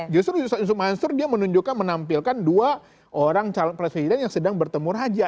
justru yusuf mansur dia menunjukkan menampilkan dua orang calon presiden yang sedang bertemu raja